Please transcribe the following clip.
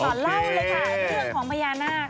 เล่าเลยค่ะเรื่องของพญานาค